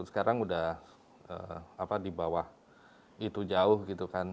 sekarang udah di bawah itu jauh gitu kan